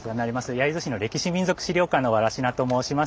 焼津市の歴史民俗資料館の藁科と申します。